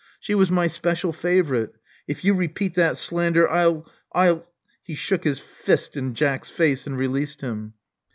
She was my special favorite. If you repeat that slander, I'll — I'll " He shook his fist in Jack's face, and released him.